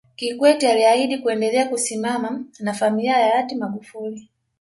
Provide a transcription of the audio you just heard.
Kikwete aliahidi kuendelea kusimama na familia ya Hayati Magufuli